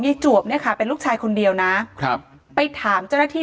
จวบเนี่ยค่ะเป็นลูกชายคนเดียวนะครับไปถามเจ้าหน้าที่